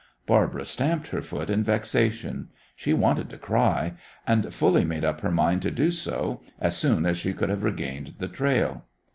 Barbara stamped her foot in vexation. She wanted to cry; and fully made up her mind to do so as soon as she should have regained the trail.